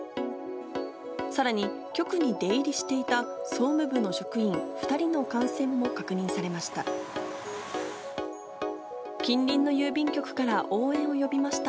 さらに、局に出入りしていた総務部の職員２人の感染も確認されました。